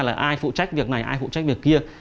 là ai phụ trách việc này ai phụ trách việc kia